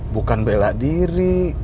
bukan bela diri